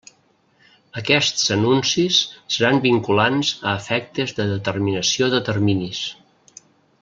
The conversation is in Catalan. Aquests anuncis seran vinculants a efectes de determinació de terminis.